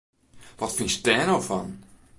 Wat fynst dêr no fan!